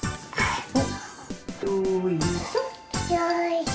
よいしょ。